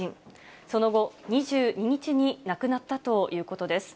その後、２２日に亡くなったということです。